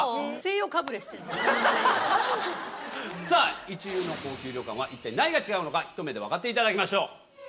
さあ、一流の高級旅館は、一体何が違うのか、ひと目でわかっていただきましょう。